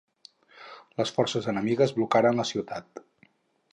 Les forces enemigues blocaren la ciutat.